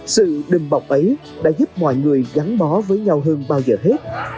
sự đùm bọc ấy đã giúp mọi người gắn bó với nhau hơn bao giờ hết